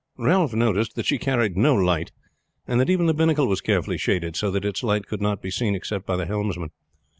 Ralph noticed that she carried no light, and that even the binnacle was carefully shaded so that its light could not be seen except by the helmsman.